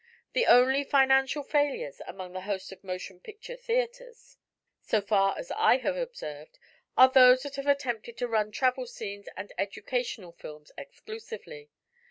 The only financial failures among the host of motion picture theatres, so far as I have observed, are those that have attempted to run travel scenes and educational films exclusively.